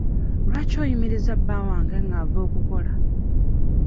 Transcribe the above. Lwaki oyimiriza bba wange nga ava okukola?